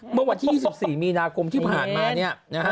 เมื่อวันที่๒๔มีนาคมที่ผ่านมาเนี่ยนะฮะ